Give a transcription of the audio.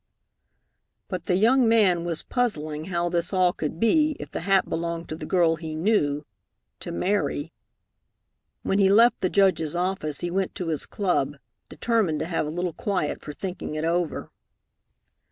But the young man was puzzling how this all could be if the hat belonged to the girl he knew to "Mary." When he left the Judge's office, he went to his club, determined to have a little quiet for thinking it over.